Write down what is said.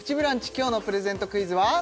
今日のプレゼントクイズは？